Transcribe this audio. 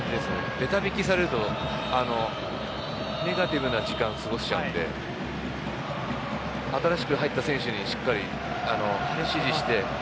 べた引きされるとネガティブな時間を過ごされちゃうので新しく入った選手にしっかりと指示して。